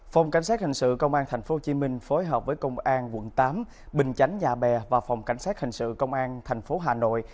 phòng cảnh sát hình sự công an tp hcm phối hợp với công an quận tám bình chánh nhà bè và phòng cảnh sát hình sự công an tp hà nội